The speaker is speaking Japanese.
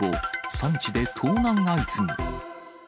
産地で盗難相次ぐ。